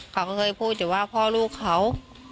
เขาก็เคยพูดแต่ว่าพ่อลูกเขา